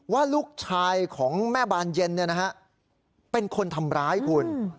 ว่าลูกชายของแม่บานเย็นเป็นคนทำร้ายคุณ